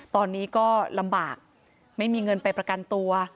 ตอนนี้ก็ลำบากไม่มีเงินไปประกันตัว